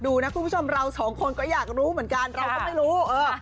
ดูนะคุณผู้ชมเราสองคนก็อยากรู้เหมือนกันเราก็ไม่รู้เออ